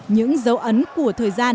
những dấu ấn của thời gian